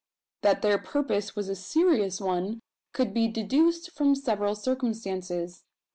That their purpose was a serious one could be deduced from several circumstances.